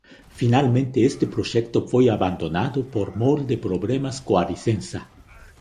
Finalmente este proxecto foi abandonado por mor de problemas coa licenza.